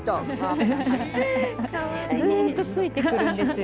ずっとついて来るんですよ。